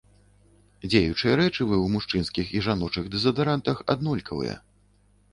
Дзеючыя рэчывы ў мужчынскіх і жаночых дэзадарантах аднолькавыя.